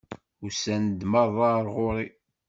Usan-d meṛṛa ar ɣur-i!